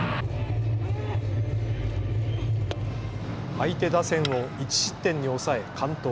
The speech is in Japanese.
相手打線を１失点に抑え完投。